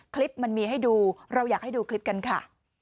คลิปมันมีให้ดูเราอยากให้ดูคลิปกันค่ะ